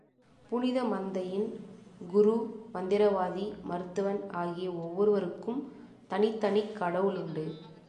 புனித மந்தையின் குரு, மந்திரவாதி, மருத்துவன் ஆகிய ஒவ்வொருவருக்கும் தனித்தனிக் கடவுளுண்டு.